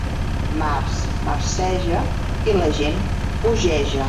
Març marceja... i la gent bogeja.